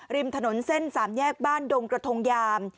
ริมถนนเส้นสามแยกบ้านดงกระทงยาม